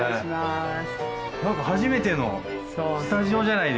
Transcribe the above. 何か初めてのスタジオじゃないですか。